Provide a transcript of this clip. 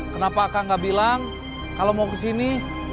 kenapa kang gak bilang kalau mau kesini